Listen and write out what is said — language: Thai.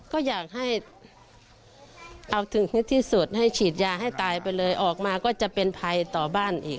ก็อยากให้เอาถึงที่สุดให้ฉีดยาให้ตายไปเลยออกมาก็จะเป็นภัยต่อบ้านอีก